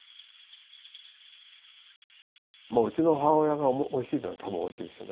うちの母親がおいしいってのは多分おいしいでしょうね